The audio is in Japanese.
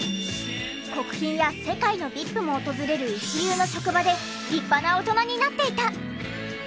国賓や世界のＶＩＰも訪れる一流の職場で立派な大人になっていた！